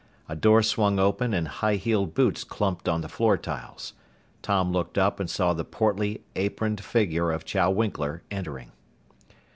A door swung open and high heeled boots clumped on the floor tiles. Tom looked up and saw the portly, aproned figure of Chow Winkler entering.